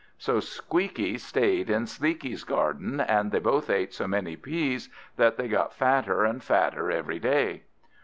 So Squeakie stayed in Sleekie's garden, and they both ate so many peas that they got fatter and fatter every day.